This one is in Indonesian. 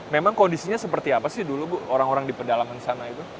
memang kondisinya seperti apa sih dulu bu orang orang di pedalaman sana itu